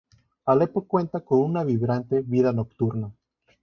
Alepo cuenta con una vibrante vida nocturna.